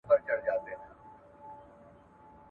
په کوم دلیل بریا هغه چا ته ورځي چي ورپسې ګرځي؟